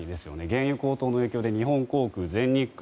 原油高騰の影響で日本航空、全日空